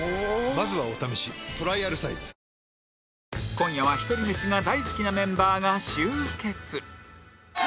今夜はひとり飯が大好きなメンバーが集結